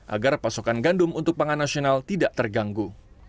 agar pasokan gandum untuk pangan nasional tidak terganggu